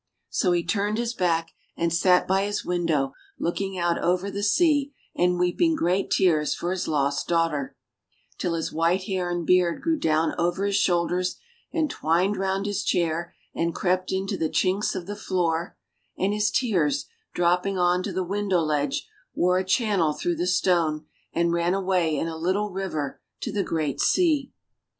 So he turned his back, and sat by his window looking out over the sea, and weeping great tears for his lost daughter, till his white hair and beard grew down over his shoulders and twined round his chair and crept into the chinks of the floor, and his tears, dropping on to the window ledge, wore a channel through the stone, and ran away in a little river to the great sea.